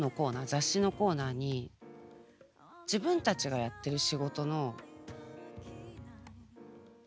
雑誌のコーナーに自分たちがやってる仕事の気配すらなかったの。